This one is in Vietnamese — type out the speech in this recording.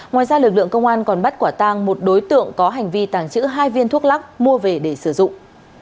ngoài ra lực lượng công an còn bắt quả tang một đối tượng có hành vi tàng trữ hai viên thuốc lắc mua về để sử dụng